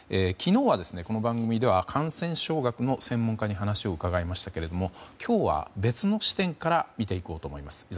昨日は、この番組では感染症学の専門家に話を伺いましたけども今日は、別の視点から見ていこうと思います。